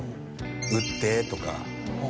「撃って」とか。